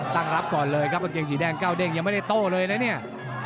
ตั้งรับก่อนเลยครับกางเกงสีแดงเก้าเด้งยังไม่ได้โต้เลยนะเนี่ย